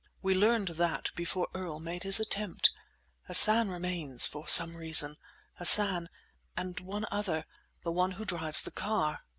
We learned that before Earl made his attempt. Hassan remains, for some reason; Hassan and one other—the one who drives the car."